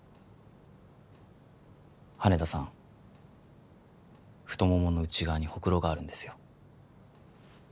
羽田さん太ももの内側にホクロがあるんですよ